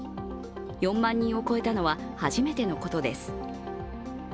４万人を超えたのは初めてのことです。